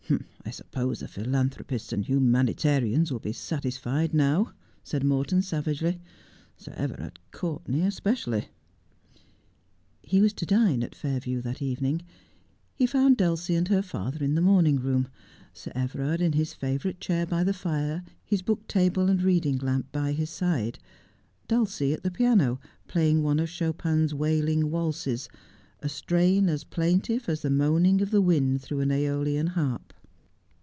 ' I suppose the philanthropists 'and humanitarians will be satisfied now,' said Morton savagely, 'Sir Everard Courtenay especially.' He was to dine at Fairview that evening. He found Duleie and her father in the morning room ; Sir Everard in his favourite chair by the fire, his book table and reading lamp by his side ; Duleie at the piano, playing one of Chopin's wailing waltzes, a strain as plaintive as the moaning of the wind through an iEolian harp.